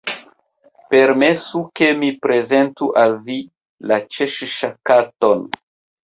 Permesu ke mi prezentu al vi la Ĉeŝŝa_ Katon."